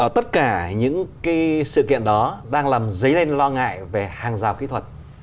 tất cả những sự kiện đó đang làm dấy lên lo ngại về hàng rào kỹ thuật